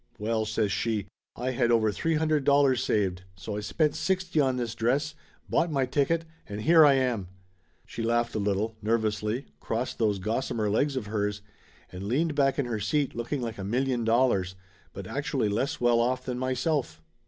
"Well," says she, "I had over three hundred dollars saved, so I spent sixty on this dress, bought my ticket, and here I am !" She laughed a little, nervously, crossed those gos samer legs of hers, and leaned back in her seat looking like a million dollars, but actually less well off than myself.